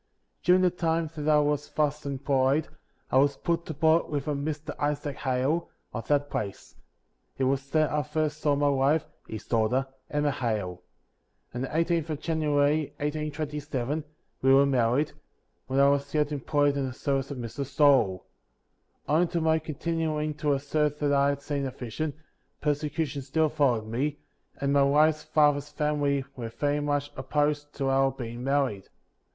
During the time that I was thus employed, I was put to board with a Mr. Isaac Hale, of that place; it was there I first saw my wife (his daugh ter), Emma Hale. On the 18th of January, 1827, we were married, while I was yet employed in the service of Mr. Stoal. 58. Owing to my continuing to assert that I had seen a vision, persecution still followed me, and my wife's father's family "were very much opposed to our being married.